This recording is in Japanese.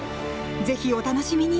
ぜひお楽しみに！